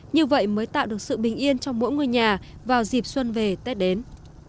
như vậy mới tạo được sự bình yên trong mỗi ngôi nhà vào dịp xuân về tết đến